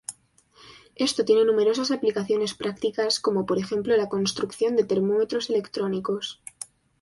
Esto tiene numerosas aplicaciones prácticas, como por ejemplo la construcción de termómetros electrónicos.